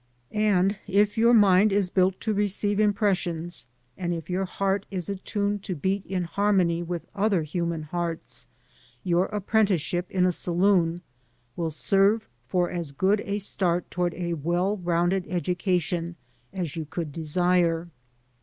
And if your mind is built to receive 129 AN AMERICAN IN THE MAKING impressions, and if your heart is attuned to beat in harmony with other human hearts, your apprenticeship in a saloon will serve for as good a start toward a well rounded education as you could desire.